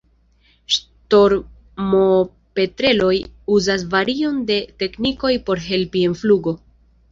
Ŝtormopetreloj uzas varion de teknikoj por helpi en flugo.